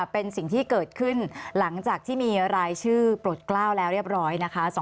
เป็นสิ่งที่เกิดขึ้นหลังจากที่มีรายชื่อปลดกล้าวแล้วเรียบร้อยนะคะ